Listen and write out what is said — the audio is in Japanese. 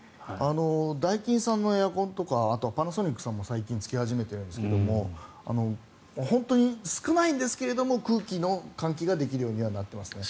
ダイキンさんのエアコンとかあとはパナソニックさんも最近つけ始めているんですけど本当に少ないんですが空気の換気ができるようにはなってますね。